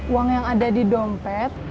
uang yang ada di dompet